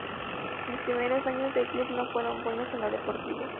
Los primeros años del club no fueron buenos en lo deportivo.